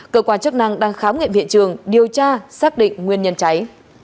cơ quan chức năng đang khám nghiệm hiện trường điều tra xác định nguyên nhân cháy